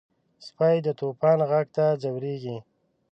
سپي د طوفان غږ ته ځورېږي.